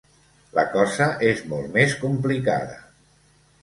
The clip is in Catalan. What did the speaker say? La cosa és molt més complicada.